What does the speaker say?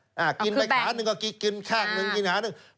เอ่อคือแบ่งกินแบบขานึงก็กินข้างนึงกินขาหนึ่ง